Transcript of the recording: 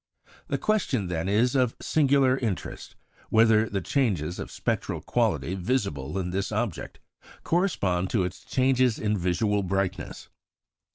The question, then, is of singular interest, whether the changes of spectral quality visible in this object correspond to its changes in visual brightness.